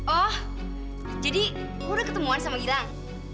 oh jadi udah ketemuan sama gilang